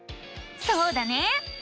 そうだね！